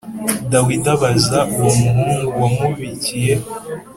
Dawidi abaza uwo muhungu wamubikiye